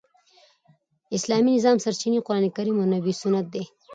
د اسلامي نظام سرچینې قران کریم او نبوي سنت دي.